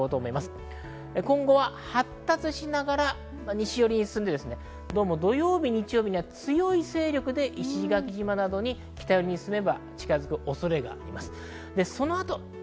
発達しながら西寄りに進んで土曜日、日曜日には強い勢力で石垣島などに近づく恐れがあります。